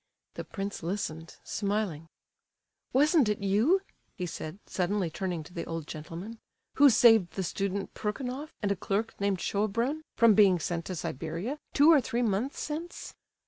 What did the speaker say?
The prince listened, smiling. "Wasn't it you," he said, suddenly turning to the old gentleman, "who saved the student Porkunoff and a clerk called Shoabrin from being sent to Siberia, two or three months since?"